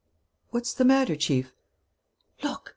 "What's the matter, Chief?" "Look!